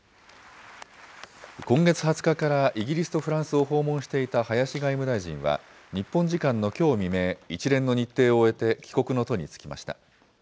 今月２０日からイギリスとフランスを訪問していた林外務大臣は、日本時間のきょう未明、一連の日程を終えて帰国の途に就きました。